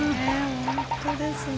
本当ですね。